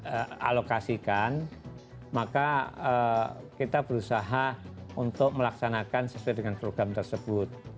kalau kita alokasikan maka kita berusaha untuk melaksanakan sesuai dengan program tersebut